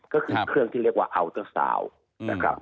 ก็คือเครื่องที่เรียกว่าอัลเตอร์ซาวน์นะครับ